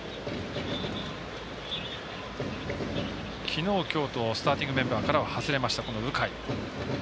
きのう、きょうとスターティングメンバーからは外れました、鵜飼。